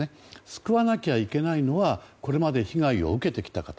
救わなきゃいけないのはこれまで被害を受けてきた方。